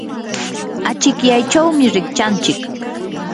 achikyaychawmi rikchanchik.